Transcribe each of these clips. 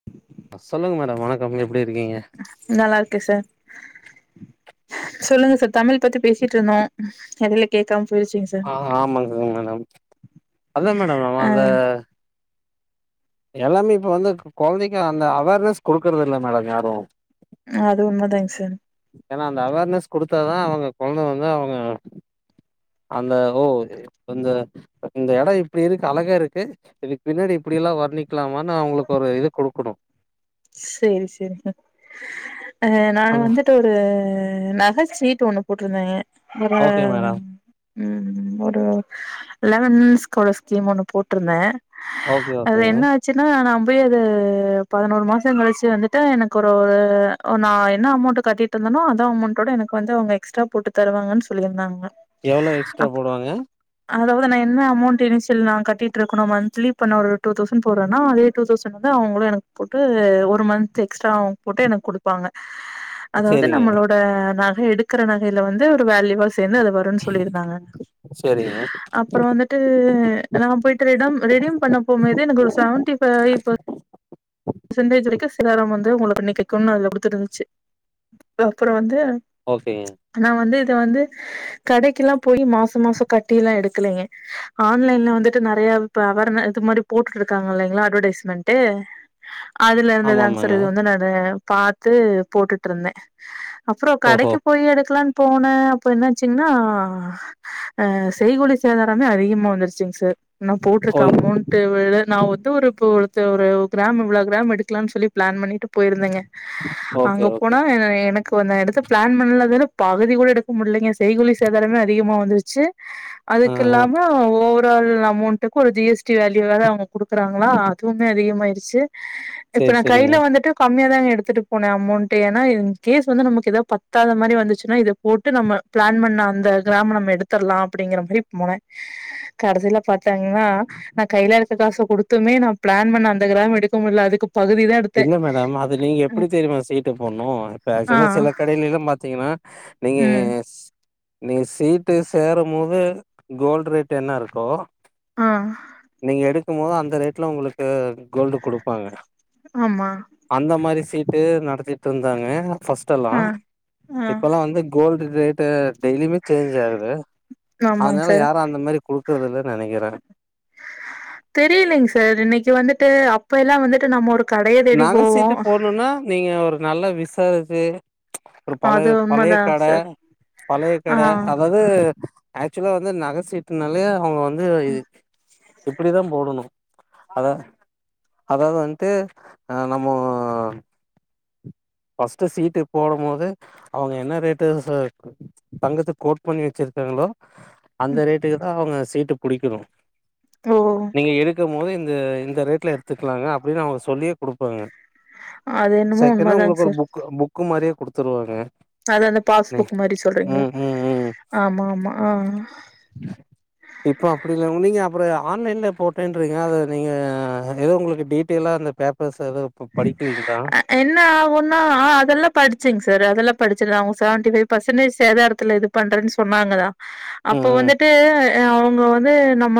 [unintelligible] சொல்லுங்க மேடம் வணக்கம் எப்டி இருக்கீங்க நல்லா இருக்கே சர் சொல்லுங்க சர் தமிழ் பத்தி பேசிட்டு இருந்த எடைல கேக்காம போய்ருச்சிங்க சர் ஆ ஆமாங்கங்கங்க மேடம் அதா மேடம் நம் ஆ அத எல்லாமே இப்ப வந்து கொழந்தைக்கு அந்த அவேர்னஸ் கொடுக்குறது இல்ல மேடம் யாரு அது உண்மைதங்க சார் ஏன்னா அந்த அவேர்னஸ் கொடுத்தா தா அவுங்க கொழந்தை வந்து அவுங்க அந்த ஓ இந்த இந்த எடோ இப்டி இருக்கு அழகா இருக்கு இதுக்கு பின்னாடி இப்டியல்லா வர்ணிக்கலாமான்னு அவங்களுக்கு ஒரு இத குடுக்கணு செரி செரி அ நானு அந்த வந்துட்டு இது நகை சீட்டு ஒண்ணு போட்டிருந்தங்க ஒரு ஓகே மேடம் ம் ஒரு லெவன் ஸ்காலர் ஸ்கீம் ஒண்ணு போட்டிருந்தே ஓகே அது ஓகேங்க என்ன ஆச்சுன்னா நா போய் அது பதினோரு மா ச கழிச்சு வந்துட்டு எனக்கு ஒரு நா என்ன அமௌண்ட்டு கட்டிட்டு இருந்தேனோ அத அமௌண்டோட எனக்கு வந்து அவங்க எக்ஸ்ட்ரா போட்டு தருவாங்கன்னு சொல்லியிருந்தாங்க எவ்ளோ எக்ஸ்ட்ரா அப்ப போடுவாங்க அதாவது நா என்ன அமௌண்ட் இனிஷியல் நா கட்டிட்டு இருக்கணு மந்த்லி இப்ப நா ஒரு டூ தௌசண்ட் போடுறேன்னா அதே டூ தௌசன் வந்து அவங்களு எனக்கு போட்டு ஒரு மந்த்த் எக்ஸ்டரா போட்டு எனக்கு குடுப்பாங்க அதாவது சேரிங்க நம்மளோட நகை எடுக்கிற நகையில வந்து ஒரு வேல்யூவா சேந்து அது வரு ன்னு சொல்லிருந்தாங்க சேரிங்க அப்றோ வந்துட் டு நா போயிட்டு ரெம் ரெடிம் பண்ண போம்போது எனக்கு ஒரு செவன்டி ஃபைவ் பர்சன்டேஜ் வரைக்கு சிலாரம் வந்து உங்களை [unintelligible] அதில் குடுத்துருந்துச்சு அப்புறோ வந்து ஓகே நா வந்து இத வந்து கடைக்கெல்லா போய் மாச மாச கட்டி எல்லா எடுக்கலைங்க ஆன்லைன்ல வந்துட்டு நெறைய இப்ப அவர்ன் இது மாரி போட்டுட்டு இருக்காங்க இல்லங்களா அட்வர்டைஸ்மெண்ட் அதுல ஆமா இருந்துதாங்க ஆமாங்க சார் இது வந்து நானு பாத்து போட்டுட்டு இருந்தே அப்புற ஓஹோ கடைக்கு போய் எடுக்கலான்னு போனே அப்ப என்னாச்சீன்னா அ செய்கூலி சேதாரமே அதிகமா வந்துருச்சுங்க சார் நா போட்டிருக்க ஓய் அமௌண்ட் வ நான் வந்து ஒரு ஒருத்த ஒரு கிராம் இவ்ள கிராம் எடுக்கலானு சொல்லி பிளான் பண்ணிட்டு போயிருந்தங்க ஓகே அங்க ஓகே போனா எ எனக் கு ந எடத்த பிளான் பண்ணதுல பகுதி கூட எடுக்க முடியலங்க செய்கூலி சேதாரமே அதிகமா வந்துருச்சு ஆ அதுக்கு ஆ இல்லாம ஒவ் ஒரல் அமௌண்ட்டுக்கு ஒரு ஜி எஸ் டி வேல்யூ வே அவங்க குடுக்குறாங்களா அதுவுமே அதிகமாயிருச்சு இப்ப சேரி நா சேரிங்க கையில வந்துட்டு கம்மியா தாங்க எடுத்துட்டு போன அமௌண்ட் ஏன்னா இன் கேஸ் வந்து நமக்கு ஏதாவ பத்தாத மாதிரி வந்துச்சுன்னா இது போட்டு நம்ம பிளான் பண்ண அந்த கிராம நம்ம எடுத்தடலா அப்டிங்கிற மாரி போனே கடைசில பாத்தாங்கன்னா நா கையில இருக்க காசு குடுத்துமே நா பிளான் பண்ண அந்த கிராம் எடுக்க முடியல அதுக்கு பகுதி தா இல்ல மேடம் அது நீங்க எப்டி தெரியுமா சீட்டு போடணு இப்ப ஆ ஆக்சுவலா சில கடையிலா பாத்தீங்கன்னா நீங்க ம் நீ சீட்டு சேரும் போது கோல்டு் ரேட் என்ன இருக்கோ ஆ நீங்க எடுக்கும் போது அந்த ரேட்ல உங்களுக்கு கோல்டு குடுப்பாங்க ஆமா அந்த மாதிரி சீட்டு நடத்திட்டு இருந்தாங்க ஃபர்ஸ்ட் எல்லா ஆ ஆ இப்பல்லா வந்து கோல்டு் ரேட்ட டெய்லியுமே சேஞ்ச் ஆகுது ஆமாங்க அதனால சார் யாரு அந்த மாரி குடுக்குறதில்லன்னு நெனைக்கிறே தெரியலலைங்க சார் இன்னைக்கி வந்துட்டு அப்ப எல்லா வந்துட்டு நம்ம ஒரு கடைய தேடி நக சீட்டு போவோம் போடணுன்னா நீங்க ஒரு நல்லா விசாரிச்சு ஒரு அது பழைய பழைய உண்மதா கட சார் பழைய ஆ கட அதாவது ஆக்சுவலா வந்து நகை சீட்டுனாலயே அவங்க வந்து இது ம் இப்டி தான் போடணும் அத அதாவது வன்ட்டு ஆ நம்மோ ஃபஸ்ட்டு சீட்டு போடும் போதே அவங்க என்ன ரேட்டு இரு சொ தங்கத்த கோட் பண்ணி வச்சிருக்காங்களோ அந்த ம் ரேட்டுக்கு தான் அவங்க சீட்டு புடிக்கணும் ஓ நீங்க எடுக்கும் போது இந்த இந்த ரேட்ல எடுத்துக்கலாங்க அப்டின்னு அவங்க சொல்லி குடுப்பாங்க அது என்னமோ செகண்டா உண்மதாங்க உங்களுக்கு சார் ஒரு புக் புக்கு மாரியே குடுத்துருவாங்க அத அந்த பாஸ்புக் மாரி சொல்றீங்களா ம் ம் ம் ஆமா ஆமா ஆ இப்போ அப்டி இல்ல உ நீங்க அப்பறம் ஆன்லைன்ல போட்டேன்றிங்க அத நீங்க ஏதோ உங்களுக்கு டீட்டெய்லா அந்த பேப் பர்ஸ எதும் இப்ப படிக்கலீங்களா என்ன ஆகுன்னா ஆ அதெல்லாம் படிச்சேங்க சார் அதெல்லாம் படிச்சிரு அவங்க செவன்டி ஃபைவ் பர்சன்டேஜ் சேதாரத்துல பண்றென்னு சொன்னாங்கதான் அப்போ ம் ம் வந்துட்டு எ அவங்க வந்து நம்ம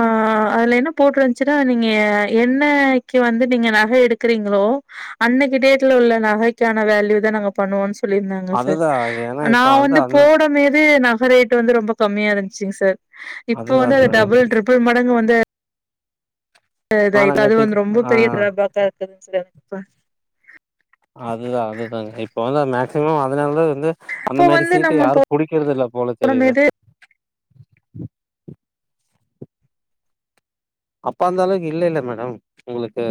அதுல என்ன போட்டுருந்துச்சுனா நீங்க என்ன என்னிக்கி வந்து நீங்க நகை எடுக்கிறீங்களோ அன்னைக்கு டேட்ல உள்ள நகைக்கான வேல்யூ தான் நாங்க பண்ணுவோனு சொல்லியிருந்தாங்க சார் அதுதா ஏன்னா இப்ப நான் வந்து அந்த போடமேது நகை ரேட் வந்து ரொம்ப கம்மியா இருந்துச்சுங்க சார் இப்போ அதுதா வந்து அது அதுதா டபுள் ட்ரிபிள் மடங்கு வந்து அது இதாலே ஆனாங்காட்டிக்கு வந்து ரொம்ப ஆ பெரிய ட்ரா பேக்கா இருக்குதுங்க சார் இப்ப அதுதா அதுதாங்க இப்ப வந்து மேக்சிமம் அதனால தான் வந்து அந்த அப்போ மாரி வந்து சீட்டு நம்ம யாரும் புடிக்கிறது இல்ல போல தெரிது போடும்போது அப்ப அந்த அளவுக்கு இல்லல்ல மேடம் உங்களுக்கு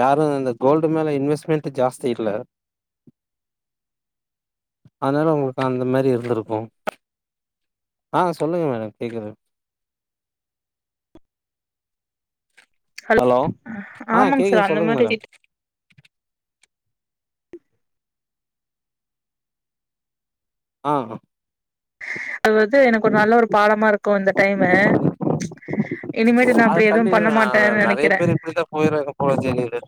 யாரும் அந்த கோல்டு மேல இன்வெஸ்மெண்ட் ஜாஸ்தி இல்ல அதனால உங்களுக்கு அந்த மாரி இருந்திருக்கும் ஆ சொல்லுங்க மேடம் கேக்குது ஹலோ ஆ ஆமாங்க சார் கேக்குது அந்த சொல்லுங்க மாரி மேடம் ஆ ஆ அது வந்து எனக்கு ஒரு நல்ல ஒரு பாடமா இருக்கும் இந்த டைமு இனிமேட்டு நா அப்டி எதுவு அதுக்காண்டி பண்ண அ மாட்டேன்னு நறைய நெனைக்கிறே பேரு இப்டித்தா போய்றாங்க போல ஜலீலு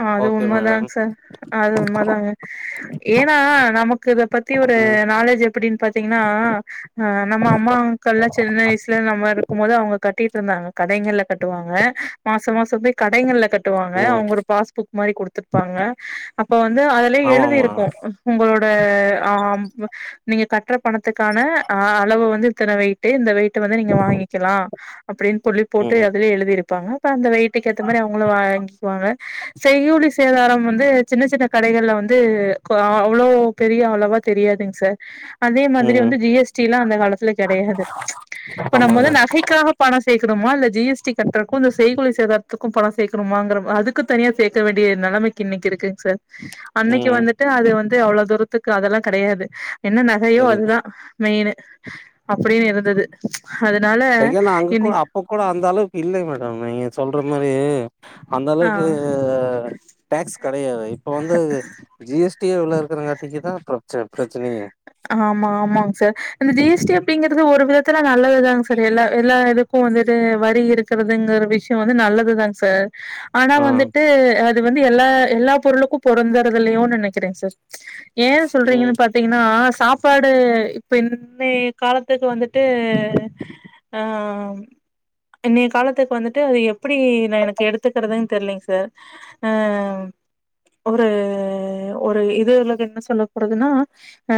ஆ அது உண்ம தாங்சார் அது உண்ம தாங்க ஏன்னா நமக்கு இத பத்தி ஒரு ம் நாலேஜ் எப்டின்னு பாத்தீங்கின்னா ஆ நம்ம அம்மாக்கெல்லாம் சின்ன வயசுல நம்ம இருக்கும் போது அவங்க கட்டிட்டு இருந்தாங்க கடைங்கல்ல கட்டுவாங்க மாசோ மாசோ போய் கடைங்கல்ல கட் டுவாங்க ம் அவுங்க ஒரு பாஸ் புக் மாரி குடுத்துருப்பாங்க அப்ப வந்து அதுலேயே ஆமா ஆமா எழுதிருக்கும் உங்களோட ஆம் நீங்க கற்ற பணத்துக்கு க்காண அளவு வந்து இத்தன வெயிட்டு இந்த வெயிட்டு வந்து நீங்க வாங்கிக்கலாம் அப்டின்னு சொல்லி ம் போட்டு ம் அதுலயே எழுதிருப்பாங்க அப்ப அந்த வெயிட் வெயிட்க்கு ஏத்த மாரி அவங்களும் வா வாங்கிக்குவாங்க செய்கூலி சேதாரம் வந்து சின்ன சின்ன கடைகள்ல வந்து அவ்ளோ பெரிய அளவா தெரியாதுங்க சார் அதே மாதிரி ம் வந்து ஜி எஸ் டில்லாம் அந்த காலத்துல கிடையாது இப்ப நம்ம ஆமாங்க வந்து நகைக்காக பணம் சேக்கணுமா இல்ல ஜி எஸ் டி கட்டுறதுக்கும் இந்த செய்கூழி சேதாரத்துக்கும் பணம் சேக்கணுமாங்கற மாரி அது க்கு தனியா சேக்க வேண்டிய நிலமைக்கு இன்னிக்கு இருக்குங்க சார் அன்னைக்கு ம் வந்துட்டு அது வந்து அவ்ளோ தூரத்துக்கு அதெல்லா கடையாது என்ன நகையோ சரி அதுதா மெயின்னு அப்டின்னு இருந்தது அதனால டை அண்ணா அங்க கூடு இன்னைக் அப்ப கூடு அந்த அளவுக்கு இல்ல மேடம் நீங்க சொல்ற மாரி அந்த ஆ அளவுக்கு டேக்ஸ் கடையாது இப்ப வந்து ஜி எஸ் டியே இவ்ளோ இருக்குறங்காட்டிக்கு தா பிரச்ச பிரச்சனையே ஆமா ஆமாங்க சார் அந்த ஜி எஸ் டி அப்டிங்கறது ஒரு விதத்துல நல்லதுதாங் சார் எல்லா எல்லா இது க்கு வந்துட்டு வரி இருக்குறதுங்கறது விஷயோ வந்து நல்லதுதாங் சார் ஆனா ஆ வந்துட்டு அ அது வந்து எல்லா எல்லா பொருளுக்கும் பொறந்தருது இல்லையோனு நனைக்கிறே சார் ஏ ம் சொல்றீங்கன்னு பாத் தீங்கன்னா சாப்பாடு இப்ப இன்னே காலத்துக்கு வந்துட்டு ஆ இன்னைய காலத்துக்கு வந்துட்டு அது எப்படி ந எனக்கு எடுத்துக்குறதுன்னு தெரிலைங்க சார் அ ஒரு ஒரு இதுலகு என்ன சொல்ல போறதுன்னா ஆ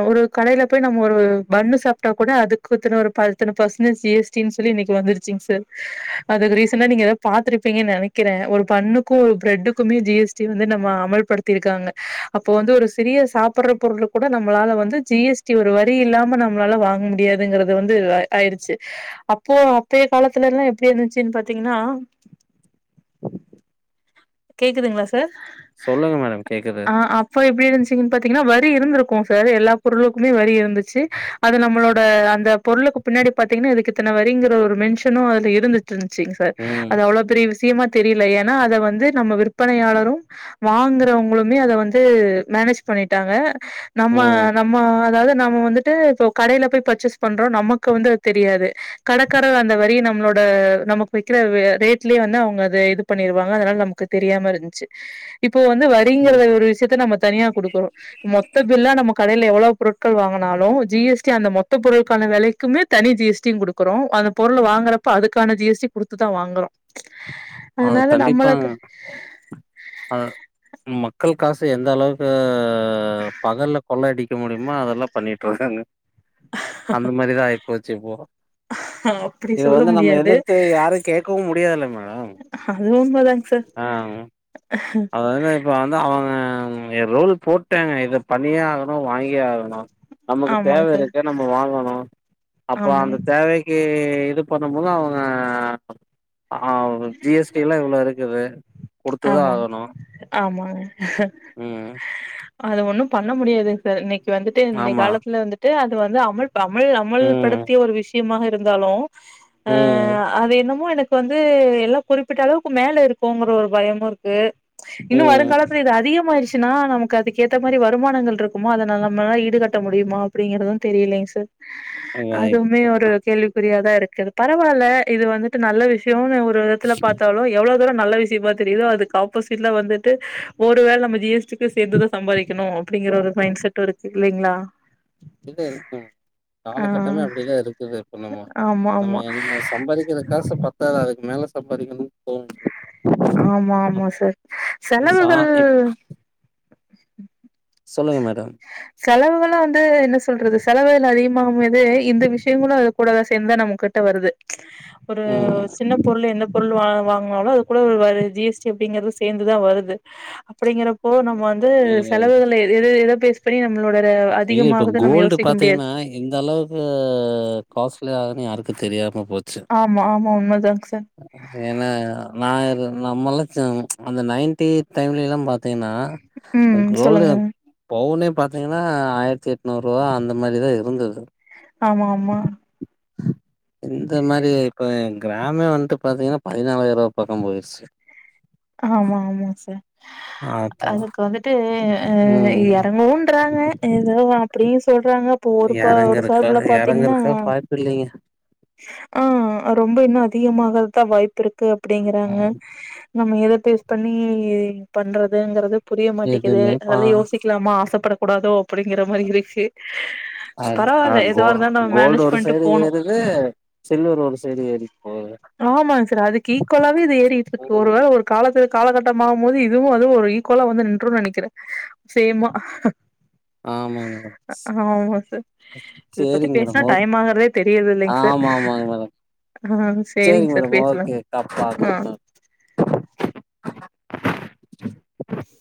அ ஒரு கடையில போய் நம்ம ஒரு பண்ணு சாப்ட்டா கூட அதுக்கு இத்தன ஒரு ப இத்தன பர்சனேஜ் ஜி எஸ் டினு சொல்லி இன்னைக்கு வந்துருச்சிங் சார் அதுக்கு ரீசானா நீங்க எதா பாத்துருப்பீங்க நெனைக்குற ஒரு பன்னு க்கு பிரட்டுக்குமே ஜி எஸ் டி வந்து நம்ம அமல்படுத்தி இருக்காங்க அப்ப வந்து ஒரு சிறிய சாப்படுற பொருளு கூட நம்மளால வந்து ஜி எஸ் டி ஒரு வரி இல்லாம நம்மளால வாங்க முடியாதுங்குறது வந்து இது வ ஆயிடுச்சு அப்போ அப்பய காலத்துலலா எப்டி இருந்துச்சுன்னு பாத்தீங்கன்னா கேக்குதுங்களா சார் சொல்லுங்க மேடம் கேக்குது ஆ அப்ப எப்டி இருந்துச்சீங்குன்னு பாத்தீங்கன்னா வரி இருந்திருக்கு சார் எல்லா பொருளுக்குமே வரி இருந்துச்சி அது நம்மளோட அந்த பொருளுக்கு பின்னாடி பாத்தீங்கன்னா இதுக்கு இத்தன வரிங்கிற ஒரு மென்ஷனு அதுல இருந்து ட்ருச்சிங்‌ சார் ம் அது அவ்ளோ பெரிய விசயமா தெரியில ஏனா அத வந்து நம்ம விற்பனையாளரு வாங்குறவுங்களுமே அத வந்து மேனேஜ் பண்ணிட்டாங்க நம்ம ம் நம்ம அதாவுது நம்ம வந்து ட்டு இப்போ கடையில போய் பர்ச்சேஸ் பண்றோ நமக்கு வந்து அது தெரியாது கடகாரர் அந்த வரிய நம்மளோட நமக்கு வைக்கிற வே ரேட்லயே வந்து அவுங்க அது இது பண்ணிருவாங்க அதனால நமக்கு தெரியாம இருந்துச்சு இப்போ வந்து வரிங்கறத ஒரு விஷயத்த நம்ம தனியா குடுக்குறோ மொத்த பில்லா நம்ம கடையில எவ்வளோ பொருட்கள் வாங்குனாலு ஜி எஸ் டி அந்த மொத்த பொருள்கான வெலை க்குமே தனி ஜி எஸ் டினு குடுக்குறோ அந்த பொருளு வாங்குறப்ப அதுக்கான ஜி எஸ் டி குடுத்துதா வாங்குறோ அது அதனால தண்டிப்பாங்க நம்மளுக்கு ஆ உண்ம மக்கள் காசு எந்த அளவுக்கு அ பகல்ல கொள்ள அடிக்க முடியுமோ அதெல்லா பண்ணிட்டு இருக்காங்க அந்த மாரிதா ஆய் போச்சு இப்போ அப்புடி இத வந்து நம்ம எதிர்த்து யாரு கேட்கவு முடியாதில்லங் மேடம் அது உண்மதாங் சார் அதாது இப்போ வந்து அவுங்க இது ரூல் போட்டாங்க இத பண்ணியே ஆகணு வாங்கியே ஆகணு நமக்கு தேவ ஆமாங்க சார் இருக்கு நம்ம வாங்கணு அப்ப ஆமா அந்த தேவை க்கு இது பண்ணும்போது அவுங்க ஆ வ் ஜி எஸ் டிலா இவ்ளோ இருக்குது குடுத்துதா ஆமா ஆவனு ஆமாங்க ம் அது ஒன்னு பண்ண முடியாது த இன்னிக்கி வந்துட்டு இன்ன ஆமா காலத்துல வந்துட்டு அது வந்து அமல் ப அமல் ம் அமல்படுத்திய ஒரு விஷ் மாக இருந்தாலு ஆ ம் அது என்னமோ எனக்கு வந் ந்து எல்லா குறிப்பிட்ட அளவுக்கு மேல இருக்கோங்கற ஒரு பயமு இருக்கு இன்னு ம் வருங்காலத்துல இது அதிகமாயிடுச்சுன்னா நமக்கு அதுக்கு ஏத்த மாரி வருமானங்கள் ருக்குமா அத ந நம்மல்லா ஈடுகட் ட்ட முடியுமா அப்டிங்குறதும் தெரியலேங் சார் அதுவுமே ஒரு கேள்விக்குறியாதா ருக்கு பரவால்ல இது வந்துட்டு நல்ல விஷ்யோ கெவுனு ஒரு விதத்துல பாத்தாலு எவ்ளோ எவ்ளோ நல்ல விஷ்யமா தெரியுதோ அதுக்கு ஆப்போசிட்ல வந்துட்டு ஒருவேள நம்ம ஜி எஸ் டிக்கு சேத்துதா சம்பாதிக்கணு அப்டிங்கற ஒரு மைண்ட் செட்டு ருக்கு இல்லீங்ளா இப்டிதா இருக்கு ஆ காலகட்டமே அப்டில இருக்குது இப்ப நம்மோ ஆமா நம்ம ஆமா என்ன சம்பாதிக் கிற காசு பத்தாது அதுக்கு மேல சம்பாதிக்கணு தோனு ஆமா ஆமா சார் சா செலவுகள் இப் சொல்லுங்க மேடம் செலவுகளா வந்து என்ன சொல்றது செலவுகள் அதிகமாகும்போது இந்த விஷயங்களு அது கூடதா சேந்து நம்மகிட்ட வருது ஒரு ம் சின்ன பொருளு என்ன பொருளு வாங் வாங்கனாலோ அது கூட வ ஜி எஸ் டி அப்டிங்கறது சேந்துதா வருது அப்டிங்கறப்போ நம்மோ வந்து செலவுகள எத எத பேச இப்படியு நம்மளோடத அதிகமாவத நம்ம யோசிக்க முடியாது ஆ இந்த அளவுக் து காஸ்ட்லி ஆகுதுன்னு யாருக்கு தெரியாம போச்சு ஆமா ஆமா உண்மதாங் சார். ஏன்னா நா நம்மல்லா அந்த நைன்டி டைம்ல எல்லா பாத்தீங்னா, ஒ ம் சொல்லுங்க கோல்லயு பவுனே பாத்தீங்கன்னா ஆயிரத்தி எட்நூரூவா அந்த மாரிதா இருந்துது. ஆமா ஆமா. இந்த மாரி இப்போ கிராம்மே வந்ட்டு பாத்தீங்கன்னா பதினாலாயிரவா பக்கம் போயிருச்சு. ஆமா ஆமாங் சார். ஆப்பா அதுக்கு வந்துட்டு அ ம் எறங்குன்றாங்க. ஏதோ அப்டியு சொல்றாங்க அப்போ ஒரு பா எறங்க ஒரு இருக்கா ஃபார்புல எறங்க பாத்தீங்கன்னா இருக்கா வாய்ப்பு இல்லைங்க ஆ ரொம்ப இன்னு அதிகமாகதா வாய்ப்பிருக்கு அப்படிங்கறாங்க. நம்ம எத பேஸ் பண்ணி பண்றதுங்கறது புரிய மாட்டேக்குது. எதுமே பா அதெல்லா யோசிக்க லாம ஆசைப்படக் கூடாதோ அப்படிங்கிற மாரி இருக்கு. அ பரவால எதுவா இருந்தாலு நம்ம மேனேஜ் பண்ணிட்டு போணு இது சில்வர் ஒரு சைடு ஏறிட் போது ஆமாங் சார். அதுக்கு ஈக்குவலாவே இது ஏறிட்ருக்கு ஒரு ம் வேல ஒரு காலத்து காலகட்டமாகு போது இதுவு அதுவு ஒரு ஈக்குவலா வந்து நின்றுன்னு நெனக்கிறே. சேம்மா. ஆமாங்க மேடம் ஆமா சார். இத பத்தி சேரிங்க பேஸ்னா மேடம் ஓக் டைம் ஆகறதே, தெரியறதில்லங் சார் ஆமா ஆமாங்க மேடம் அ சேரிங் சேரிங்க சார் மேடம் பேசலங் ஓகே கப் அ பாக்கலா அ